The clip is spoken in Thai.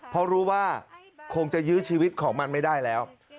เพราะรู้ว่าคงจะยื้อชีวิตของมันไม่ได้แล้ว